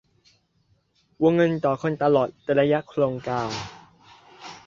วงเงินต่อคนตลอดระยะโครงการ